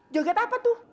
joget apa tuh